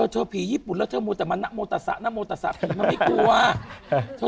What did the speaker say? เธอผีญี่ปุ่นแล้วเธอมูตรแต่มันนักโมตรศาสตร์นักโมตรศาสตร์ผีมันไม่กลัว